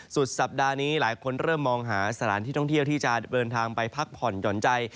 สุดสัปดาห์นี้หลายคนเริ่มมองหาสถานที่ท่องเที่ยวที่จะเดินทางไปพักผ่อนหย่อนใจ